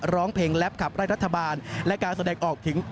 ร้องเพลงแลปขับไล่รัฐบาลและการแสดงออกถึง